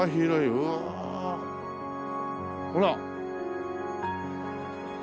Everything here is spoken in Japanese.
うわほら。